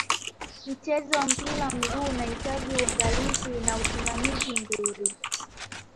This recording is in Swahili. mchezo wa mpira wa miguu unahitaji unagalizi na usimamizi mzuri